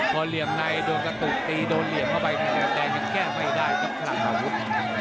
พอเหลี่ยมในโดนกระตุกตีโดนเหลี่ยมเข้าไปทางแดงยังแก้ไม่ได้ครับคลังอาวุธ